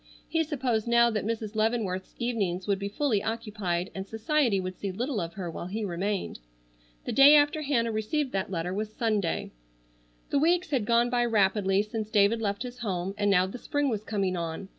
He supposed now that Mrs. Leavenworth's evenings would be fully occupied and society would see little of her while he remained. The day after Hannah received that letter was Sunday. The weeks had gone by rapidly since David left his home, and now the spring was coming on.